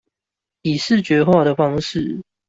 以視覺化的方式